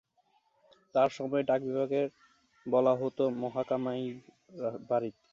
তার সময়ে ডাক বিভাগকে বলা হতো মাহকামা"-"ই"-"বারিদ।